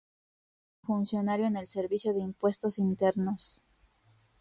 Trabajó como funcionario en el Servicio de Impuestos Internos.